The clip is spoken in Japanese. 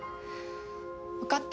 わかった。